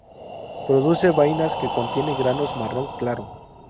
Produce vainas que contienen granos marrón claro.